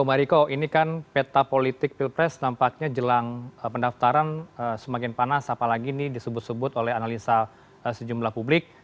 pak riko ini kan peta politik pilpres nampaknya jelang pendaftaran semakin panas apalagi ini disebut sebut oleh analisa sejumlah publik